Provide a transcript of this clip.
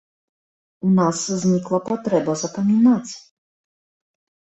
У нас знікла патрэба запамінаць.